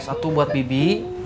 satu buat bibi